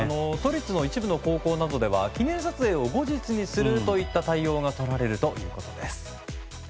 都立の一部の高校などでは記念撮影を後日にするなどといった対応がとられるということです。